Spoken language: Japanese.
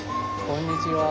こんにちは。